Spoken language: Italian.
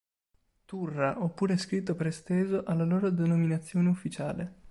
Turra", oppure scritto per esteso, alla loro denominazione ufficiale.